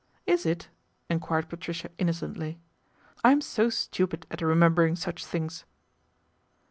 'Is it ?" enquired Patricia innocently, " I'm so stupid at remembering such things."